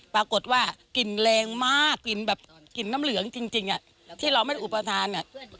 ปรากฏว่ากลิ่นแรงมากกลิ่นแบบกลิ่นน้ำเหลืองจริงที่เราไม่ได้อุปทาน